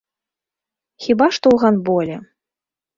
Хіба што ў гандболе.